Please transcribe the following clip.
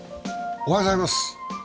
おはようございます。